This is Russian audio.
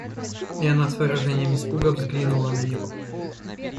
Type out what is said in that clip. И она с выражением испуга взглянула на него.